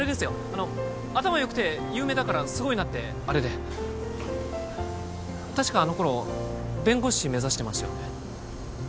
あの頭よくて有名だからすごいなってアレで確かあの頃弁護士目指してましたよね？